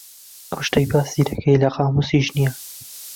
ئەو شتەی باسی دەکەی لە قامووسیش نییە.